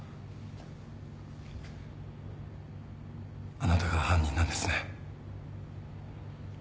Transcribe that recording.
あなたが犯人なんですね。